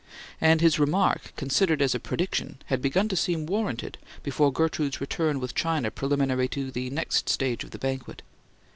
And his remark, considered as a prediction, had begun to seem warranted before Gertrude's return with china preliminary to the next stage of the banquet.